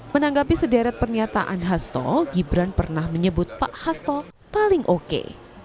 menanggapi sederet pernyataan hasto gibran pernah menyebut pak hasto paling oke